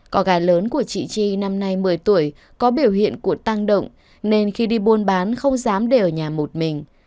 cỏ gà lớn của chị chi năm nay một mươi tuổi có biểu hiện của tăng động nên khi đi buôn bán không dám để ở nhà một mình